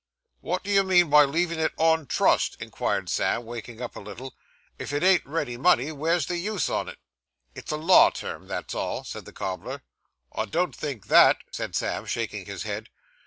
'Wot do you mean by leavin' it on trust?' inquired Sam, waking up a little. 'If it ain't ready money, were's the use on it?' 'It's a law term, that's all,' said the cobbler. 'I don't think that,' said Sam, shaking his head.